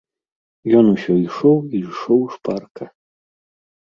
Ён усё ішоў і ішоў шпарка.